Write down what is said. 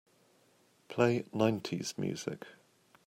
Play nineties music.